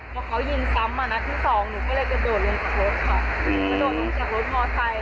พอเขายืนซ้ำมานักที่สองหนูก็เลยกระโดดลงจากรถค่ะ